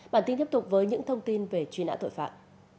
bản tin tiếp tục với những thông tin về truy nã tội phạm